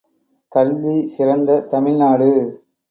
கல்வி சிறந்த தமிழ்நாடு